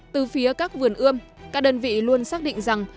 từ phía các vườn ươm các đơn vị luôn xác định rằng